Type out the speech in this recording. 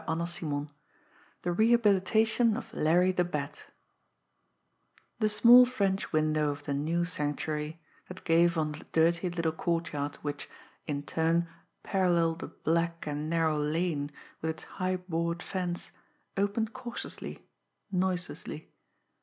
CHAPTER VI THE REHABILITATION OF LARRY THE BAT The small French window of the new Sanctuary, that gave on the dirty little courtyard which, in turn, paralleled a black and narrow lane, with its high, board fence, opened cautiously, noiselessly.